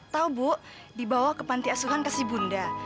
tahu bu dibawa ke panti asuhan ke si bunda